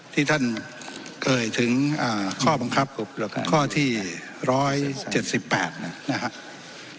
ที่ท่านเอ่ยถึงข้อบังคับข้อที่๑๗๘นะครับ